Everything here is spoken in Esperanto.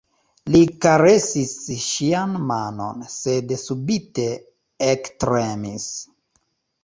Li karesis ŝian manon, sed subite ektremis.